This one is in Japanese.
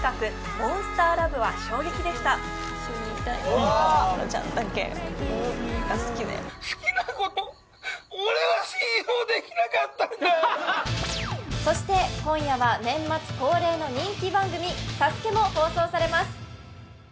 モンスターラブは衝撃でしたそして今夜は年末恒例の人気番組ＳＡＳＵＫＥも放送されます